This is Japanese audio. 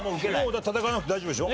だって戦わなくて大丈夫でしょ？